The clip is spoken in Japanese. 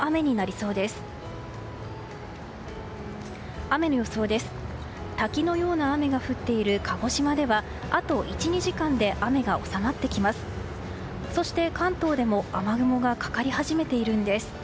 そして関東でも雨雲がかかり始めているんです。